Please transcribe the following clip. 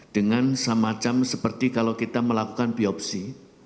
dengan semacam seperti kalau kita melakukan biopsi